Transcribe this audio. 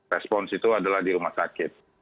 respons itu adalah di rumah sakit